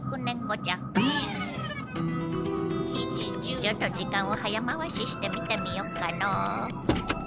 ちょっと時間を早回しして見てみよっかの。